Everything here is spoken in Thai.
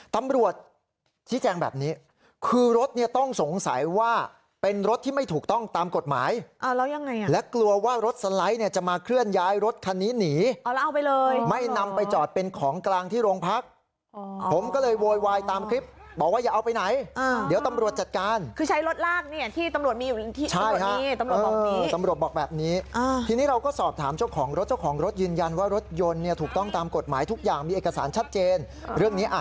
ตำรวจที่แจ้งแบบนี้คือรถเนี่ยต้องสงสัยว่าเป็นรถที่ไม่ถูกต้องตามกฎหมายแล้วยังไงและกลัวว่ารถสไลด์เนี่ยจะมาเคลื่อนย้ายรถคันนี้หนีแล้วเอาไปเลยไม่นำไปจอดเป็นของกลางที่โรงพักผมก็เลยโวยวายตามคลิปบอกว่าอย่าเอาไปไหนเดี๋ยวตำรวจจัดการคือใช้รถลากเนี่ยที่ตำรวจมีอยู่ที่ตำรวจบอกพี่ตำรวจบอกแบบน